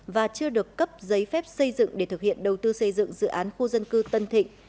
và chưa được cấp giấy phép xây dựng để thực hiện đầu tư xây dựng dự án khu dân cư tân thịnh